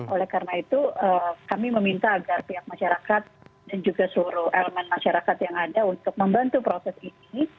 oleh karena itu kami meminta agar pihak masyarakat dan juga seluruh elemen masyarakat yang ada untuk membantu proses ini